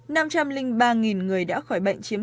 năm trăm linh ba người đã khỏi bệnh chiếm sáu mươi chín